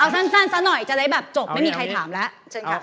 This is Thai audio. เอาสั้นสักหน่อยจะได้แบบจบไม่มีใครถามแล้ว